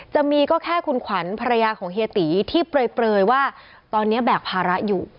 จะมีก็แค่คุณขวัญภรรยาของเฮียตีที่เปลยว่าตอนนี้แบกภาระอยู่